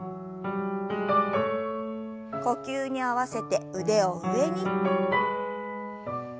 呼吸に合わせて腕を上に。